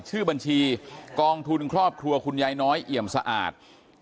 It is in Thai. ชื่อบัญชีกองทุนครอบครัวคุณยายน้อยเอี่ยมสะอาด